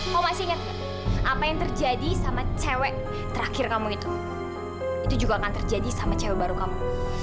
kamu masih ingat apa yang terjadi sama cewek terakhir kamu itu itu juga akan terjadi sama cewek baru kamu